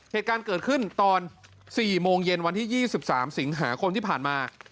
เหตุการณ์เกิดขึ้นตอน๔โมงเย็นวันที่๒๓สิงหาคมที่ผ่านมา